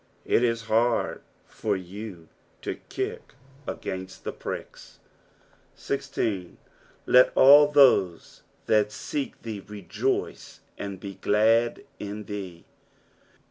It is hard for you to kick against the pricks. 16. " Let ail thoie that mak thee, n^oiee and he glad in thee."